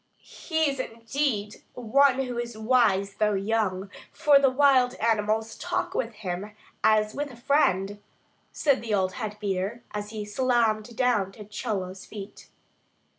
"He is indeed one who is wise though young; for the wild animals talk with him as with a friend," said the old head beater, as he salaamed down to Chola's feet.